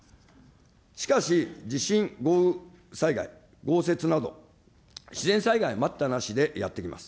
しかし、地震、豪雨災害、豪雪など、自然災害は待ったなしでやって来ます。